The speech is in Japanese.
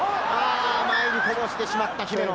前にこぼしてしまった姫野。